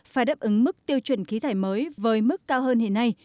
phải đáp ứng mức tiêu chuẩn khí thải mới với mức cao hơn hiện nay